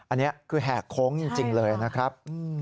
อันนี้คือแหกโค้งจริงเลยนะครับ